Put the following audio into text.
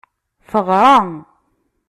Teɣra.